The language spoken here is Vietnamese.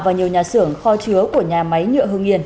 và nhiều nhà xưởng kho chứa của nhà máy nhựa hương yên